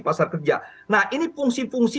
pasar kerja nah ini fungsi fungsi